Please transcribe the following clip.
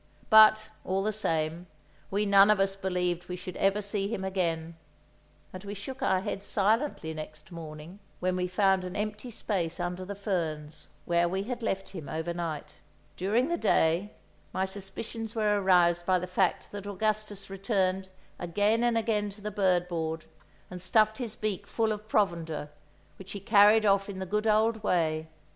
But, all the same, we none of us believed we should ever see him again; and we shook our heads silently next morning, when we found an empty space under the ferns, where we had left him overnight. During the day, my suspicions were aroused by the fact that Augustus returned again and again to the bird board and stuffed his beak full of provender, which he carried off in the good old way.